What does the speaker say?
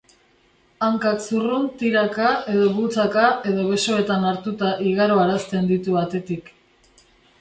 Hankak zurrun, tiraka edo bultzaka edo besoetan hartuta igaroarazten ditu atetik.